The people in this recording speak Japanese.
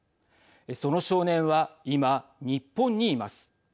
その少年は今、日本にいます。